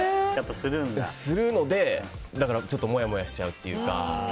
するので、ちょっともやもやしちゃうというか。